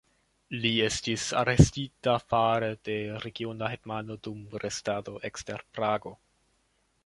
Li estis arestita fare de regiona hetmano dum restado ekster Prago.